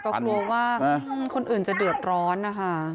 ก็กลัวว่าคนอื่นจะเดือดร้อนนะคะ